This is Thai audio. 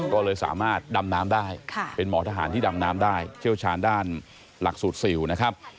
ก็เลยสามารถดำน้ำได้เป็นหมอทหารที่ดำน้ำได้เชี่ยวชาญด้านหลักสูตรซิลนะครับ